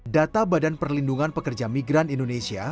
data badan perlindungan pekerja migran indonesia